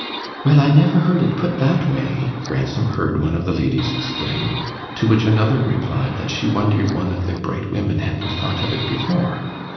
"Well, I never heard it put that way!" Ransom heard one of the ladies exclaim; to which another replied that she wondered one of their bright women hadn't thought of it before.